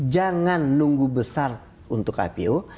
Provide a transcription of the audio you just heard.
jangan nunggu besar untuk ipo